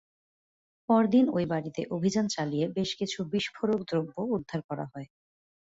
পরদিন ওই বাড়িতে অভিযান চালিয়ে বেশ কিছু বিস্ফোরক দ্রব্য উদ্ধার করা হয়।